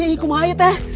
hii kumah teh